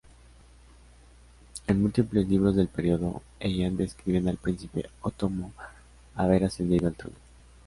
En múltiples libros del período Heian describen al Príncipe Ōtomo haber ascendido al trono.